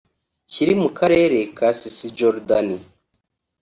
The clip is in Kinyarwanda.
kiri mu karere ka Cisjordanie